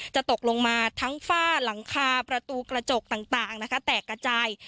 ตกลงมาทั้งฝ้าหลังคาประตูกระจกต่างนะคะแตกกระจาย